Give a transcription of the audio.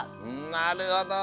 なるほど！